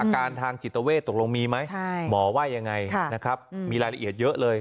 การทางจิตเวทตกลงมีไหมหมอว่ายังไงนะครับมีรายละเอียดเยอะเลย